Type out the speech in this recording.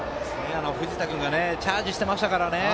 藤田君がチャージしてましたからね。